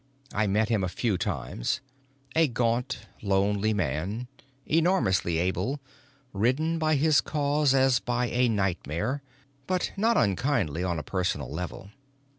I met him a few times, a gaunt, lonely man, enormously able, ridden by his cause as by a nightmare, but not unkindly on a personal level.